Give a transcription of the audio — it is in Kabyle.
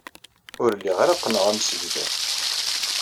Ur lliɣ ara qqneɣ amsegdal.